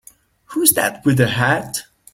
Who's that with the hat?